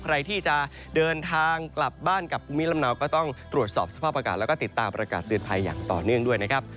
ใครที่จะเดินทางกลับบ้านกับภูมิลำเนาก็ต้องตรวจสอบสภาพอากาศแล้วก็ติดตามประกาศเตือนภัยอย่างต่อเนื่องด้วยนะครับ